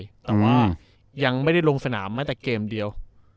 แต่ว่ายังไม่ได้ลงสนามแม้แต่เกมเดียว